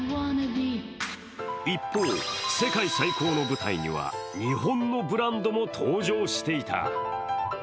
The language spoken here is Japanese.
一方、世界最高の舞台には日本のブランドも登場していた。